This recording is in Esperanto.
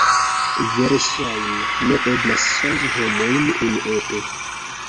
Verŝajne ne eblas ŝanĝi homojn unuope.